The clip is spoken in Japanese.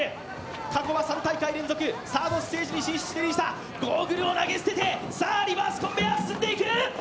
過去は３大会連続、サードステージに進出している伊佐、ゴーグルを投げ捨てて、さあリバースコンベアー進んでいく。